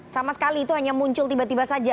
sama sekali itu hanya muncul tiba tiba saja